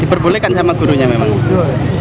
diperbolehkan sama gurunya memang